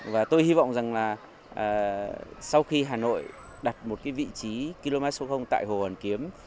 và tôi hy vọng rằng là sau khi hà nội đặt một vị trí km số tại hồ hoàn kiếm